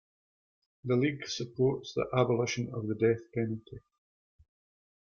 The League supports the abolition of the death penalty.